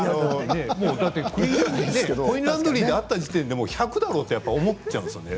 コインランドリーで会った時点で１００だろうと思っちゃうんですけど